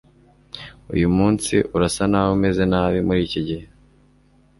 Uyu munsi urasa naho umeze nabi muri iki gihe.